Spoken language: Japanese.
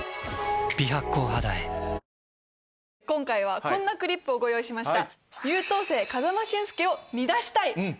今回はこんなクリップをご用意しました。